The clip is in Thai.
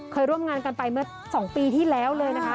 เคยร่วมงานกันไปเมื่อ๒ปีที่แล้วเลยนะคะ